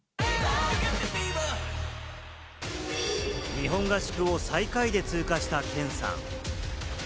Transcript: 日本合宿を最下位で通過したケンさん。